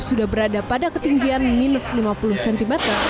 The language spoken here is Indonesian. sudah berada pada ketinggian minus lima puluh cm